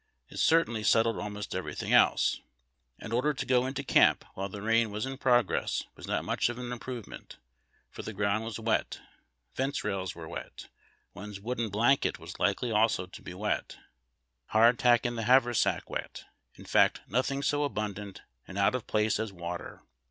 It certainl} settled about everything else. An order to go into camp while the rain was in progress was not much of an improvement, for the ground was wet, fence rails were wet, one's woollen blanket was likely also to be wet, hardtack in the haversack wet — in fact, nothing so abundant and out of place as water.